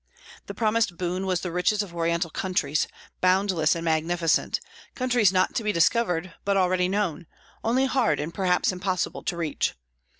The promised boon was the riches of Oriental countries, boundless and magnificent, countries not to be discovered, but already known, only hard and perhaps impossible to reach.